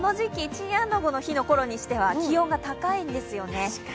チンアナゴの日のころにしては気温が高いんですよね。